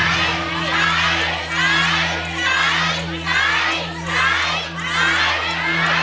ใช้